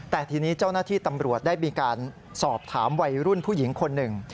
แต่ทีนี้เจ้าหน้าที่ตำรวจได้มีการสอบถามวัยรุ่นผู้หญิงคนหนึ่ง